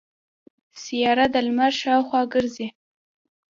سیاره د لمر شاوخوا ګرځي.